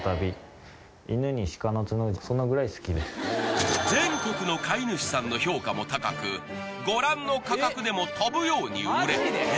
そのぐらい好きです全国の飼い主さんの評価も高くご覧の価格でも飛ぶように売れ